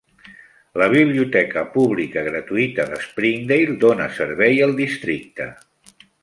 La biblioteca pública gratuïta de Springdale dóna servei al districte.